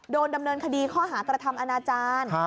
โดนดำเนินคดีข้อหากระทำอนาจารย์